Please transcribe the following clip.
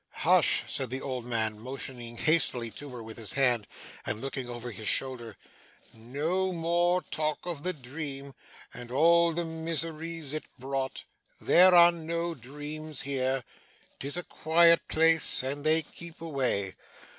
'Hush!' said the old man, motioning hastily to her with his hand and looking over his shoulder; 'no more talk of the dream, and all the miseries it brought. There are no dreams here. 'Tis a quiet place, and they keep away.